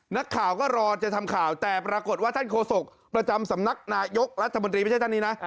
นักข่าวก็รอจะทำข่าวแต่ปรากฏว่าท่านโฆษกประจำสำนักนายกรัฐมนตรีไม่ใช่ท่านนี้นะ